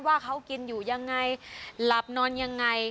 ว่าเขากินอยู่ยังไงหลับนอนยังไง